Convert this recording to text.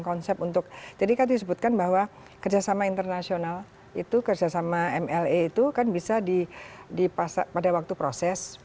konsep untuk jadi kan disebutkan bahwa kerjasama internasional itu kerjasama mla itu kan bisa pada waktu proses